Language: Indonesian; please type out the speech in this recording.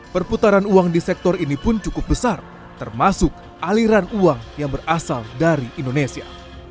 perputaran uang di sektor ini pun cukup besar termasuk aliran uang yang berasal dari indonesia